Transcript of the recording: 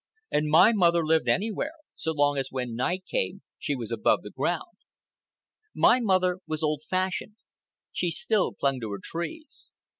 And my mother lived anywhere, so long as when night came she was above the ground. My mother was old fashioned. She still clung to her trees.